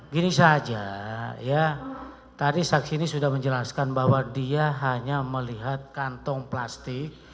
gini saja ya tadi saksi ini sudah menjelaskan bahwa dia hanya melihat kantong plastik